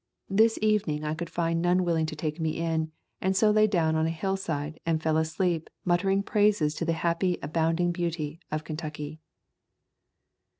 This evening I could find none willing to take me in, and so lay down on a hillside and fell asleep muttering praises to the happy abounding beauty of Kentucky.